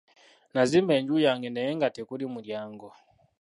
Nazimba enju yange naye nga tekuli mulyango.